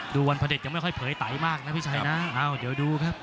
ดูวันพระเด็จยังไม่ค่อยเผยไตมากนะพี่ชัยนะอ้าวเดี๋ยวดูครับ